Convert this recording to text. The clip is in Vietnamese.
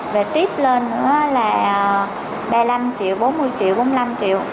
về tiếp lên nữa là ba mươi năm triệu bốn mươi triệu bốn mươi năm triệu